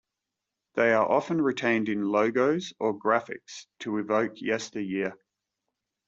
They are often retained in logos or graphics to evoke yesteryear.